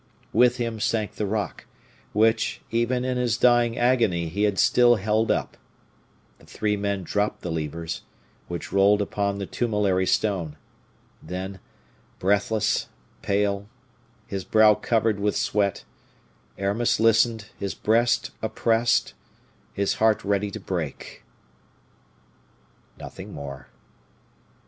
With him sank the rock, which, even in his dying agony he had still held up. The three men dropped the levers, which rolled upon the tumulary stone. Then, breathless, pale, his brow covered with sweat, Aramis listened, his breast oppressed, his heart ready to break. Nothing more.